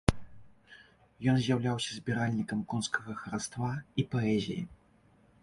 Ён з'яўляўся збіральнікам конскага хараства і паэзіі.